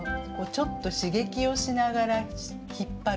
ちょっと刺激をしながら引っ張る。